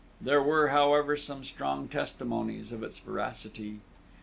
There were, however, some strong testimonies of its veracity.